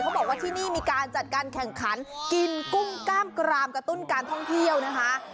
บอกว่าที่นี่มีการจัดการแข่งขันกินกุ้งกล้ามกรามกระตุ้นการท่องเที่ยวนะคะ